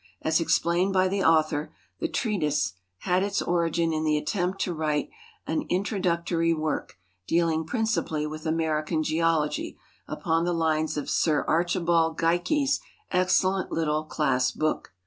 As explained by the author, the treatise " had its origin in the attempt to write an introductory work, dealing principally with American geology, u|)on the lines of Sir Arcld bahUleikie'sexcellent little 'Cla.ss Book.'